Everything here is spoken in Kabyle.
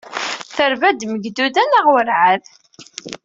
Terba-d Megduda neɣ werɛad?